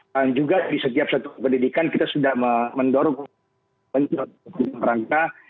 dan juga di setiap satuan pendidikan kita sudah mendorong